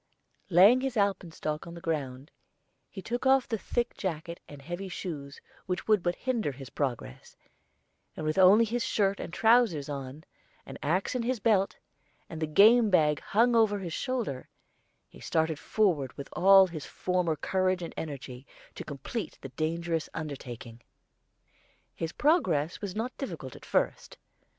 Laying his alpenstock on the ground, he took off the thick jacket and heavy shoes which would but hinder his progress, and with only his shirt and trousers on, an axe in his belt, and the game bag hung over his shoulder, he started forward with all his former courage and energy, to complete the dangerous undertaking. His progress was not difficult at first.